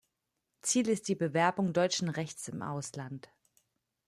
Ziel ist die Bewerbung deutschen Rechts im Ausland.